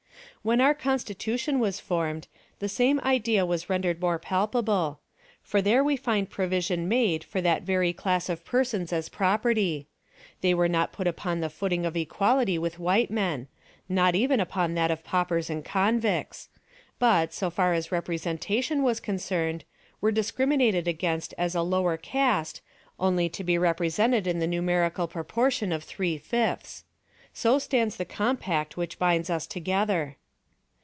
When our Constitution was formed, the same idea was rendered more palpable; for there we find provision made for that very class of persons as property; they were not put upon the footing of equality with white men not even upon that of paupers and convicts; but, so far as representation was concerned, were discriminated against as a lower caste, only to be represented in the numerical proportion of three fifths. So stands the compact which binds us together.